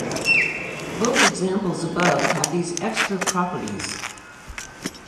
Both examples above have these extra properties.